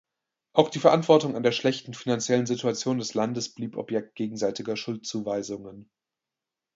Auch die Verantwortung an der schlechten finanziellen Situation des Landes blieb Objekt gegenseitiger Schuldzuweisungen.